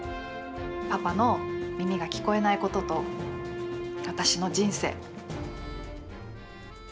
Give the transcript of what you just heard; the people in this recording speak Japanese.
パパの耳が聞こえないことと私の人生。